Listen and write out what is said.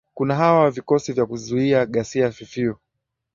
kuna hawa vikosi vya kuzuia ghasia ffu